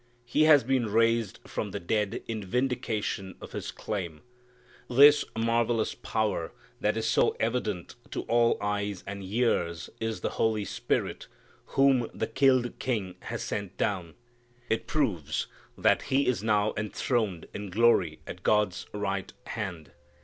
He has been raised from the dead in vindication of His claim. This marvellous power that is so evident to all eyes and ears is the Holy Spirit whom the killed King has sent down. It proves that He is now enthroned in glory at God's right hand.